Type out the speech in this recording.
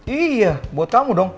iya buat kamu dong